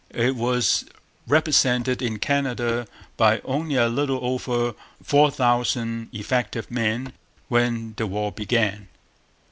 It was represented in Canada by only a little over four thousand effective men when the war began.